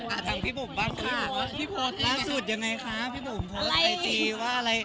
อาจารย์พี่ปุ่มบ้างค่ะล่าสุดยังไงคะพี่ปุ่มโพสต์ไอจีว่าอะไร